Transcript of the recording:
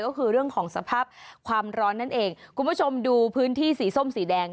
ก็คือเรื่องของสภาพความร้อนนั่นเองคุณผู้ชมดูพื้นที่สีส้มสีแดง